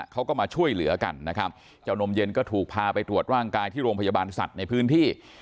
เขาก็มาช่วยเหลือกันนะครับเจ้านมเย็นก็ถูกพาไปตรวจร่างกายที่โรงพยาบาลสัตว์ในพื้นที่